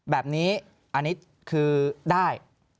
แบบนี้อันนี้คือได้